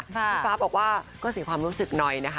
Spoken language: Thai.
พี่ฟ้าบอกว่าก็เสียความรู้สึกหน่อยนะคะ